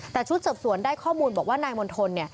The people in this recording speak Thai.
แต่ชุดสืบสวนได้ข้อมูลบอกว่านายมณฑล